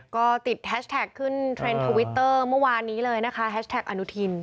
ก็ติดแฮชแท็กขึ้นเทรนด์ทวิตเตอร์เมื่อวานนี้เลยนะคะแฮชแท็กอนุทิน